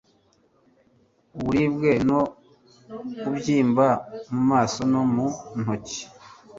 uburibwe no kubyimba mu maso no mu ntoki